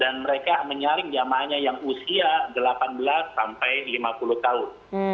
dan mereka menyaring jamannya yang usia delapan belas sampai lima puluh tahun